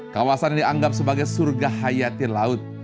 kawasan ini dianggap sebagai surga hayati laut